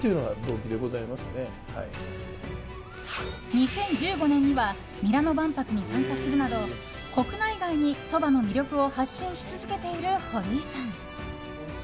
２０１５年にはミラノ万博に参加するなど国内外にそばの魅力を発信し続けている堀井さん。